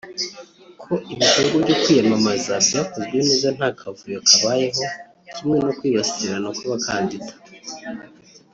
ko ibikorwa byo kwiyamamaza byakozwe neza nta kavuyo kabayeho kimwe no kwibasirana kw’abakandida